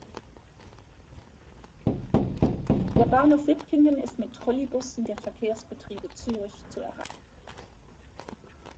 Der Bahnhof Wipkingen ist mit Trolleybussen der Verkehrsbetriebe Zürich zu erreichen.